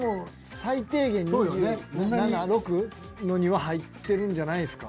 最低限２７２６のには入ってるんじゃないですか？